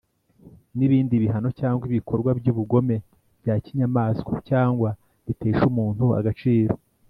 N ibindi bihano cyangwa ibikorwa by ubugome bya kinyamaswa cyangwa bitesha umuntu agaciro